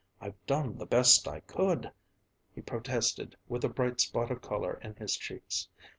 I've done the best I could," he protested with a bright spot of color in his cheeks.